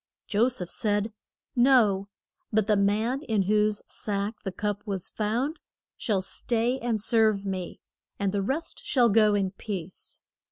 Jo seph said, No; but the man in whose sack the cup was found shall stay and serve me, and the rest shall go in peace.